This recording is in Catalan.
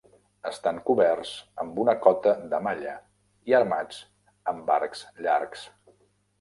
Estan coberts amb una cota de malla i armats amb arcs llargs.